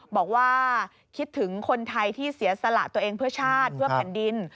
บอกว่าคิดถึงคนไทยที่เสียสละตัวเองเพื่อชาติเพื่อแผ่นดิน